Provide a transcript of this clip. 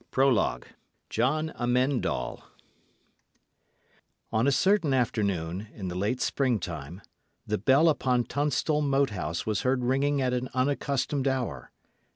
PROLOGUE JOHN AMEND ALL On a certain afternoon, in the late springtime, the bell upon Tunstall Moat House was heard ringing at an unaccustomed hour.